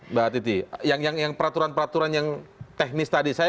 mbak atiti yang peraturan peraturan yang teknis tadi